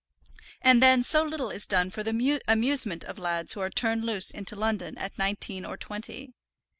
And then so little is done for the amusement of lads who are turned loose into London at nineteen or twenty.